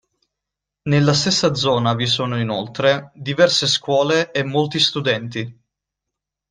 Nella stessa zona vi sono inoltre diverse scuole e molti studenti.